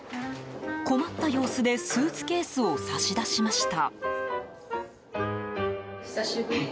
困った様子でスーツケースを差し出しました。